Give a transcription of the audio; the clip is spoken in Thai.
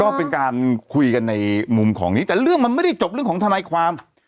ก็เป็นการคุยกันในมุมของนี้แต่เรื่องมันไม่ได้จบเรื่องของทนายความ